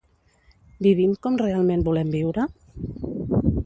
Vivim com realment volem viure?